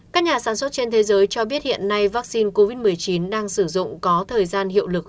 các nhà sản xuất trên thế giới cho biết hiện nay vaccine covid một mươi chín đang sử dụng có thời gian hiệu lực